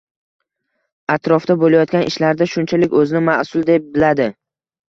atrofda bo‘layotgan ishlarda shunchalik o‘zini mas’ul deb biladi.